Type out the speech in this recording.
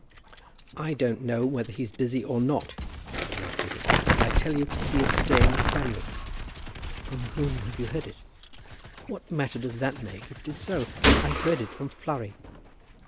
"I don't know whether he's busy or not," said the archdeacon, "but I tell you he is staying at Framley." "From whom have you heard it?" "What matter does that make if it is so? I heard it from Flurry."